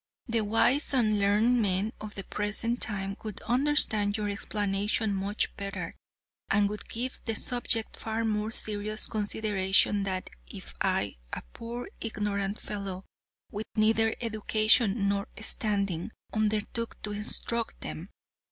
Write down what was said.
The wise and learned men of the present time would understand your explanation much better, and would give the subject far more serious consideration than if I, a poor ignorant fellow with neither education nor standing, undertook to instruct them.